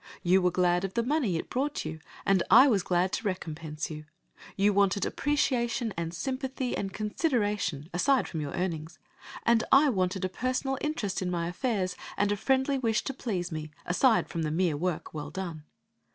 You were glad of the money it brought you, and I was glad to recompense you. You wanted appreciation and sympathy and consideration aside from your earnings, and I wanted a personal interest in my affairs, and a friendly wish to please me, aside from the mere work well done.